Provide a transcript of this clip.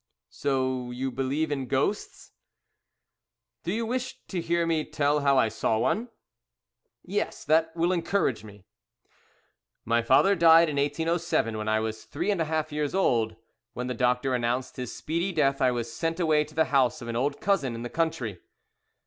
"So you believe in ghosts?" "Do you wish to hear me tell how I saw one?" "Yes, that will encourage me." "My father died in 1807, when I was three and a half years old. When the doctor announced his speedy death I was sent away to the house of an old cousin in the country.